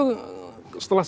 setelah saya lihat